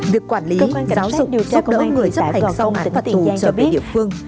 việc quản lý giám sát giáo dục giúp đỡ người chấp hành xong án hoạt tù cho vị địa phương